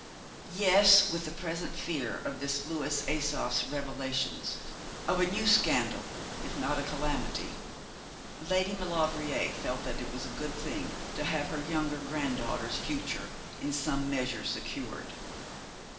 Yes, with the present fear of this Louis Asoph's revelations, of a new scandal, if not a calamity, Lady Maulevrier felt that it was a good thing to have her younger granddaughter's future in some measure secured.